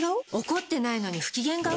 怒ってないのに不機嫌顔？